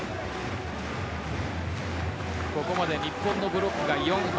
ここまで日本のブロックが４本。